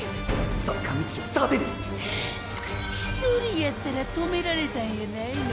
坂道を盾に１人やったら止められたんやないの？